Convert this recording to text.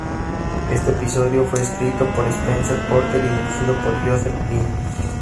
Este episodio fue escrito por Spencer Porter y dirigido por Joseph Lee.